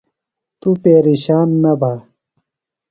توۡ پیرشان نہ بھہ۔